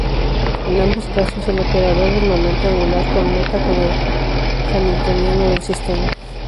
En ambos casos el operador del momento angular conmuta con el hamiltoniano del sistema.